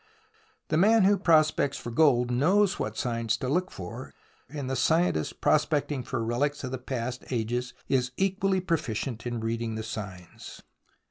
The man who prospects for gold knows what signs to look for, and the scientist prospecting for relics of past 3 34 THE ROMANCE OF EXCAVATION ages is equally proficient in reading the signs.